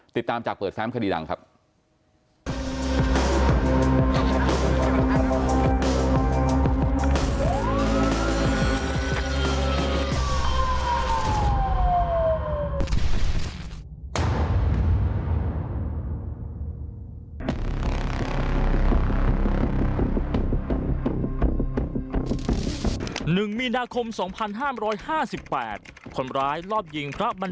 ติดตามจากเปิดแฟมคดีดังครับ